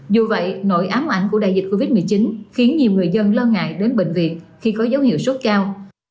dù vậy nội ám ảnh của đại dịch covid một mươi chín khiến nhiều người dân lo ngại đến bệnh viện khi có dấu hiệu sốt cao